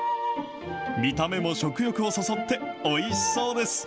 見た目も食欲をそそっておいしそうです。